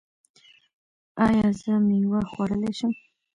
ایا زه میوه خوړلی شم؟